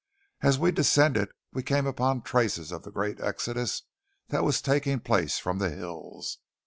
As we descended we came upon traces of the great exodus that was taking place from the hills.